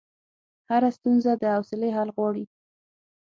هره ستونزه د حوصلې حل غواړي.